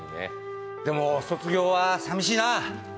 でも、卒業はさみしいな。